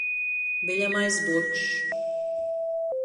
Veļamais blučs.